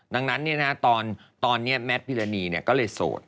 ดังนั้นตอนนี้แมทพิรณีก็เลยโสด